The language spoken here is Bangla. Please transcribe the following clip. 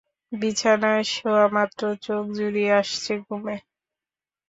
বিছানায় শোয়ামাত্র চোখ জড়িয়ে আসছে ঘুমে।